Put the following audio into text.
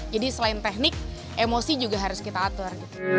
selain teknik emosi juga harus kita atur